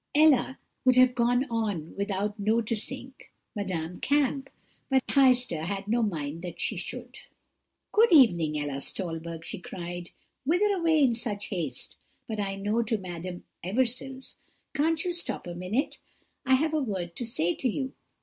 "Ella would have gone on without noticing Madame Kamp, but Heister had no mind that she should. "'Good evening, Ella Stolberg,' she cried, 'whither away in such haste? but I know, to Madame Eversil's. Can't you stop a minute? I have a word to say to you.'